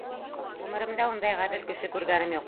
Ғүмеремдә ундай ғәҙел кеше күргәнем юҡ.